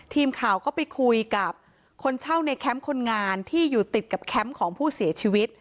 ทีมข่าวก็ไปคุยกับคนเช่าในแคมป์คนงานที่อยู่ติดกับแคมป์ของผู้เสียชีวิต